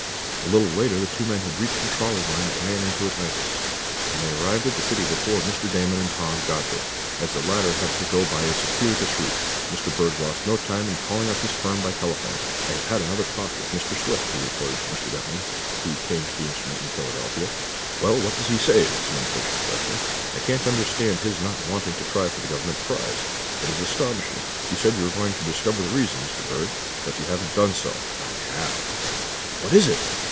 A little later the two men had reached a trolley line that ran into Atlantis, and they arrived at the city before Mr. Damon and Tom got there, as the latter had to go by a circuitous route. Mr. Berg lost no time in calling up his firm by telephone. "I have had another talk with Mr. Swift," he reported to Mr. Bentley, who came to the instrument in Philadelphia. "Well, what does he say?" was the impatient question. "I can't understand his not wanting to try for the Government prize. It is astonishing. You said you were going to discover the reason, Mr Berg, but you haven't done so." "I have." "What is it?"